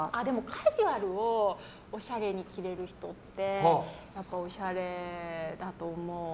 カジュアルをおしゃれに着れる人ってやっぱりおしゃれだと思う。